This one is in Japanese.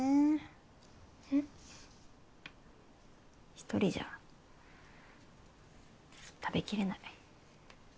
ひとりじゃ食べきれない。